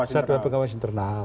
satuan pengawas internal